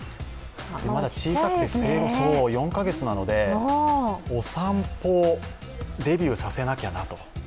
まだ小さくて、生後４カ月なのでお散歩デビューさせなきゃなと。